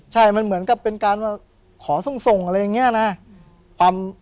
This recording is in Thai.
ใช่มันเหมือนกับเป็นการว่าขอส่งอะไรอย่างนี้นะ